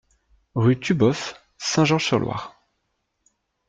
Rue Tuboeuf, Saint-Georges-sur-Loire